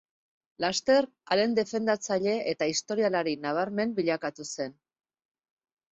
Laster haren defendatzaile eta historialari nabarmen bilakatu zen.